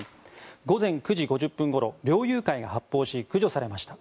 午前９時５０分ごろ猟友会が発砲し駆除されました。